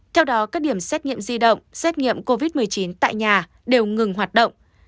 theo đó các điểm xét nghiệm di động xét nghiệm covid một mươi chín tại nhà đều ngừng hoạt động